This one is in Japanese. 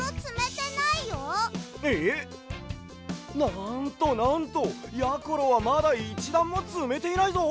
なんとなんとやころはまだ１だんもつめていないぞ。